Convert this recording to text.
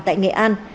tại nghệ an